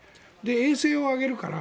衛星を上げるから。